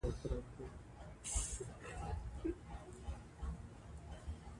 ازادي راډیو د کلتور په اړه نړیوالې اړیکې تشریح کړي.